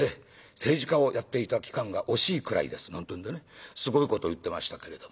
政治家をやっていた期間が惜しいくらいです」なんてんでねすごいこと言ってましたけれども。